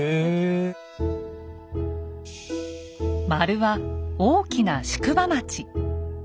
「○」は大きな宿場町。